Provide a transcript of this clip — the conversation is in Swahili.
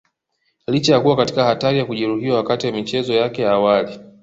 Licha ya kuwa katika hatari ya kujeruhiwa wakati wa michezo yake ya awali